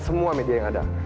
semua media yang ada